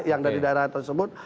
yang dari daerah tersebut